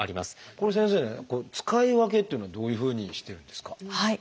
これ先生ね使い分けっていうのはどういうふうにしてるんですか？